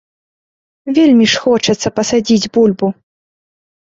Вельмі ж хочацца пасадзіць бульбу.